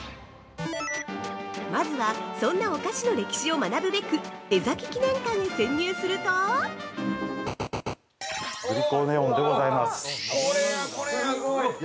まずは、そんなお菓子の歴史を学ぶべく江崎記念館へ潜入すると◆グリコネオンでございます。